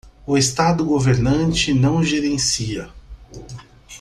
O estado governante não gerencia.